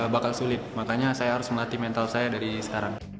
bakal sulit makanya saya harus melatih mental saya dari sekarang